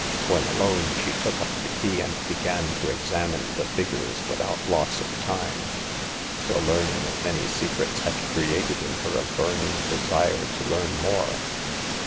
When alone she took up the key, and began to examine the figures without loss of time. The learning of many secrets had created in her a burning de sire to learn more.